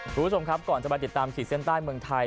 คุณผู้ชมครับก่อนจะมาติดตามขีดเส้นใต้เมืองไทย